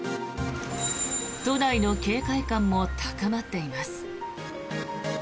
都内の警戒感も高まっています。